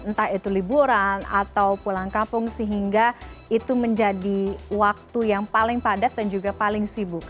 entah itu liburan atau pulang kampung sehingga itu menjadi waktu yang paling padat dan juga paling sibuk